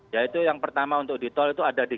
yaitu yang pertama untuk di tol itu ada di